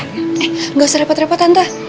eh gak usah repot repot tante